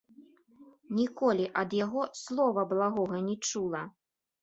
Ніколі ад яго слова благога не чула.